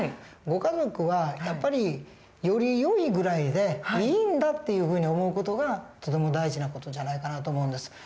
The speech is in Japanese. ご家族はやっぱりよりよいぐらいでいいんだっていうふうに思う事がとても大事な事じゃないかなと思うんです。